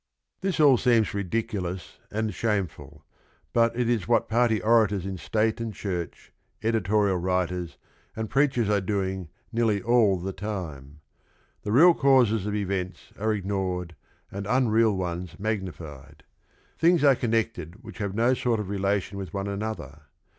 This all seems ridiculous and shameful, but it is what party orators in state and church, edi torial writers, and preachers are doing nearly all the time. The real causes of events are ignored and unreal ones magnified. Things are connected which have no sort of relation with one another.